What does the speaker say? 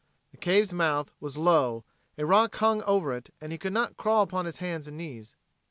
The cave's mouth was low, a rock hung over it and he could not crawl upon his hands and knees.